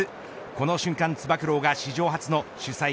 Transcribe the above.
この瞬間、つば九郎が史上初の主催